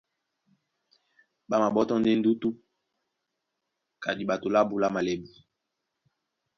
Ɓá maɓótɔ́ ndé ndútú ka diɓato lábū lá malɛbu.